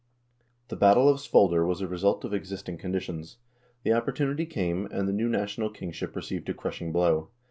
The battle of Svolder was a result of existing conditions. The opportunity came, and the new national kingship received a crushing blow.